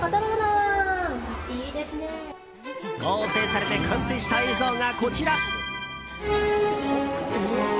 合成されて完成した映像がこちら。